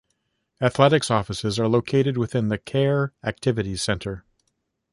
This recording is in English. Athletics offices are located within the Kerr Activities Center.